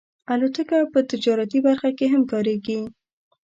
الوتکه په تجارتي برخه کې کارېږي.